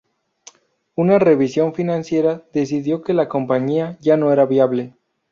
Una revisión financiera decidió que la compañía ya no era viable.